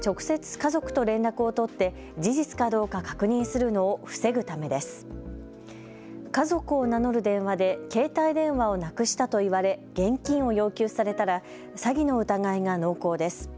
家族を名乗る電話で携帯電話をなくしたと言われ現金を要求されたら詐欺の疑いが濃厚です。